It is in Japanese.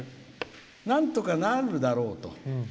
なんとかなるだろうと。